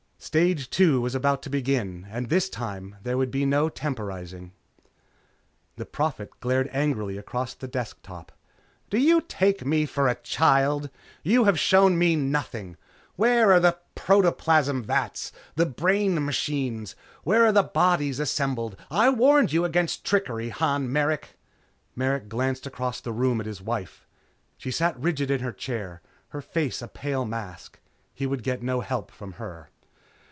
Stage two was about to begin, and this time there would be no temporizing. The Prophet glared angrily across the desk top. "Do you take me for a child? You have shown me nothing. Where are the protoplasm vats? The brain machines? Where are the bodies assembled? I warned you against trickery, Han Merrick!" Merrick glanced across the room at his wife. She sat rigid in her chair, her face a pale mask. He would get no help from her.